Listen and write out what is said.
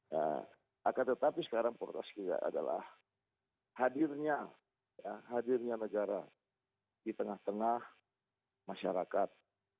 nah akan tetapi sekarang protes kita adalah hadirnya hadirnya negara di tengah tengah masyarakat